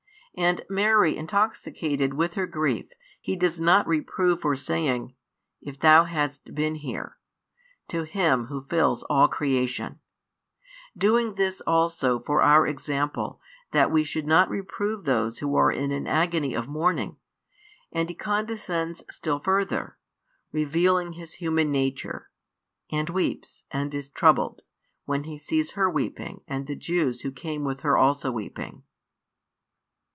And Mary intoxicated with her grief, He does not reprove for saying: " If Thou hadst been here" to Him Who fills all creation; doing this also for our example, that we should not reprove those who are in an agony of mourning: and He condescends still further, revealing His human nature, and weeps and is troubled, when He sees her weeping and the Jews who came with her also weeping.